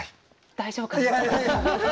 大丈夫かな。